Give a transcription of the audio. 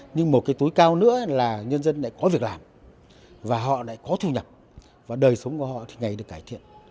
nhưng một cái tối cao nữa là nhân dân lại có việc làm và họ lại có thu nhập và đời sống của họ thì ngày được cải thiện